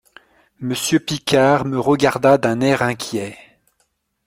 «Monsieur Picard me regarda d'un air inquiet.